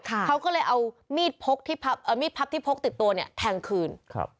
เขาก็เลยเอามีดพักที่พกติดตัวแทงคืน